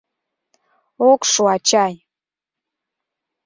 Ок шу, ачай!